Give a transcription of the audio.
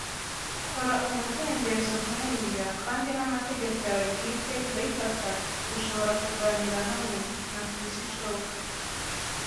kora umudendezo nkuriya; kandi namategeko yawe bwite, ndabifata dushobora kuganira hamwe. Nakubise ishoka